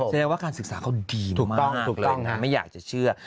แสดงว่าการศึกษาเขาดีมากเลยไม่อยากจะเชื่อ